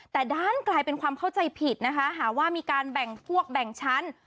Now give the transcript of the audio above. แต่ด้านกลายเป็นความเข้าใจผิดนะคะหาว่ามีการแบ่งพวกแบ่งชั้น